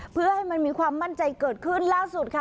เพื่อให้มันมีความมั่นใจเกิดขึ้นล่าสุดค่ะ